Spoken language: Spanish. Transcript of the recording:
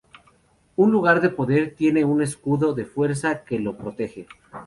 Un lugar de poder tiene un escudo de fuerza que lo protege.